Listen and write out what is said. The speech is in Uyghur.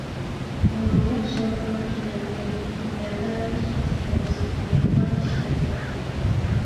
ئۇلۇغلۇق، شاۋقۇن-سۈرەنلىك دۇنيادا ئۆز خاسلىقىنى ساقلىيالىغان كىشىلەردە بولىدۇ.